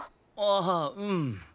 ああうん。